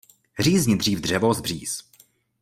Řízni dřív dřevo z bříz.